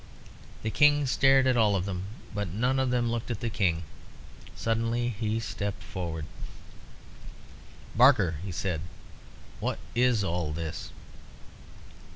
The King stared at all of them, but none of them looked at the King. Suddenly he stepped forward. "Barker," he said, "what is all this?"